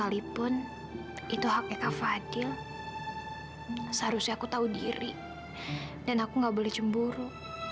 walaupun itu haknya kak fadil seharusnya aku tahu diri dan aku nggak boleh cemburu